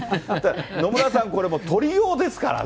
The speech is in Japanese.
野村さん、これはもう取りようですからね。